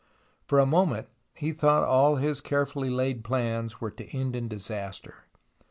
For a moment he thought all his carefully laid plans were to end in disaster.